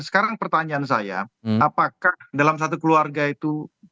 sekarang pertanyaan saya apakah dalam satu keluarga itu